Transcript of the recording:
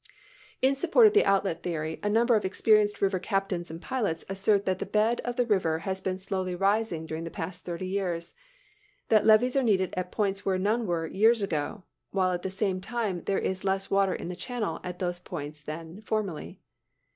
In support of the outlet theory, a number of experienced river captains and pilots assert that the bed of the river has been slowly rising during the past thirty years; that levees are needed at points where none were years ago, while at the same time there is less water in the channel at those points than formerly.